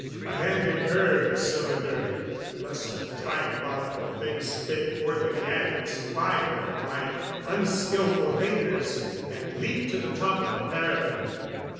I handed her the cylinder, lest the diabolical thing spit forth again its fire from my unskillful fingers, and leaped to the top of the parapet.